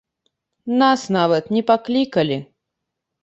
Нас нават не паклікалі.